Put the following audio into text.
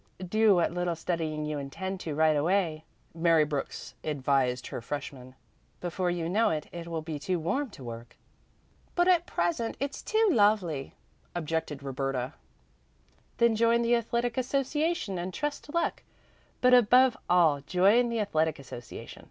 "Do what little studying you intend to right away," Mary Brooks advised her freshmen. "Before you know it, it will be too warm to work." "But at present it's too lovely," objected Roberta. "Then join the Athletic Association and trust to luck, but above all join the Athletic Association.